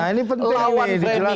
nah ini penting nih dijelaskan